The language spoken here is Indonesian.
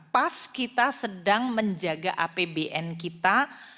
pas kita sedang menjaga apbn kita